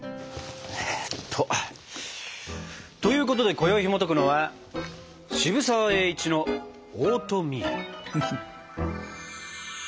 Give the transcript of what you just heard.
えっと。ということでこよいひもとくのは渋沢栄一のオートミール。